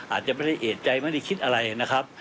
อาจจะไม่ได้เอกใจไม่ได้คิดอะไรนะครับ